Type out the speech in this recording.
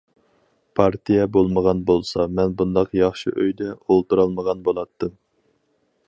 پارتىيە بولمىغان بولسا، مەن بۇنداق ياخشى ئۆيدە ئولتۇرالمىغان بولاتتىم.